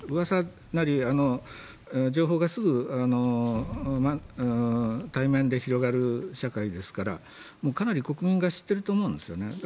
噂なり、情報がすぐ対面で広まる社会ですからかなり国民が知ってると思うんですよね。